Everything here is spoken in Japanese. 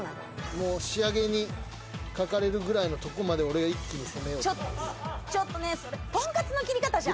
もう仕上げにかかれるぐらいのとこまで俺が一気に攻めようと思います。